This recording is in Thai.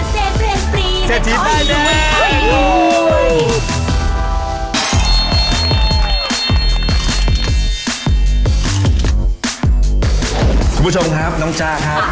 คุณผู้ชมครับน้องจ๊ะครับ